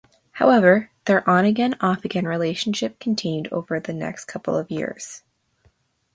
However, their on-again off-again relationship continued over the next couple of years.